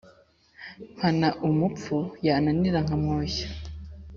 Mpana umupfu yananira nkamwoshya.